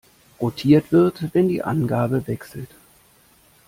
Rotiert wird, wenn die Angabe wechselt.